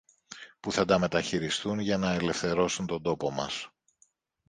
που θα τα μεταχειριστούν για να ελευθερώσουν τον τόπο μας